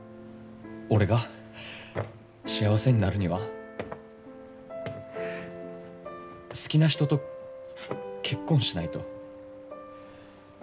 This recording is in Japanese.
俺が幸せになるには好きな人と結婚しないと。